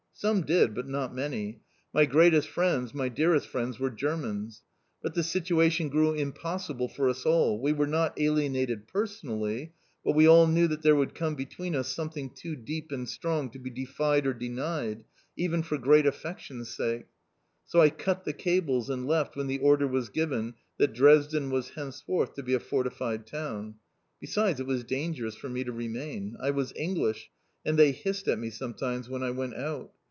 Some did, but not many. My greatest friends, my dearest friends were Germans. But the situation grew impossible for us all. We were not alienated personally, but we all knew that there would come between us something too deep and strong to be defied or denied, even for great affection's sake. So I cut the cables and left when the order was given that Dresden was henceforth to be a fortified town. Besides, it was dangerous for me to remain. I was English, and they hissed at me sometimes when I went out.